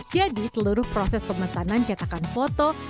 jadi seluruh proses pemesanan cetakan foto